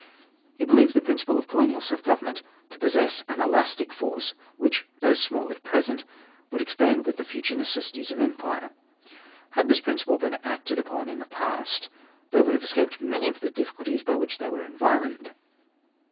He believed the principle^ of colonial self government to possess an elastic force} which, though small at present, would expand with the\ future necessities of the Empire. Had this principle been ' acted upon in the past, they would have escaped many of the difficulties by which they were environed.